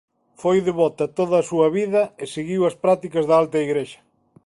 Foi devota toda a súa vida e seguiu as prácticas da Alta igrexa.